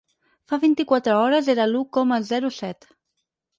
Fa vint-i-quatre hores era d’u coma zero set.